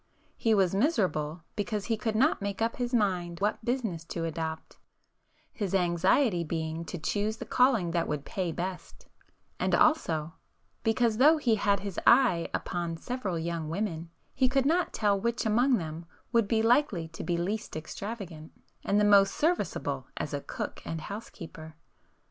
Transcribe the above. He was miserable because he could not make up his mind what business to adopt, his anxiety being to choose the calling that would 'pay' best,—and also, because though he 'had his eye' upon several young women, he could not tell which among them would be likely to be least extravagant, and the most serviceable as a cook and housekeeper.